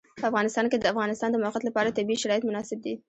په افغانستان کې د د افغانستان د موقعیت لپاره طبیعي شرایط مناسب دي.